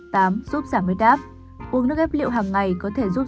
tám giúp giảm huyết áp